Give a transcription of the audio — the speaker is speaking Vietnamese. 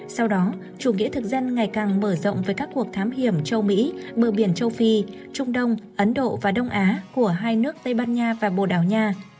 sau đó chủ nghĩa thực dân ngày càng mở rộng với các cuộc thám hiểm châu mỹ bờ biển châu phi trung đông ấn độ và đông á của hai nước tây ban nha và bồ đào nha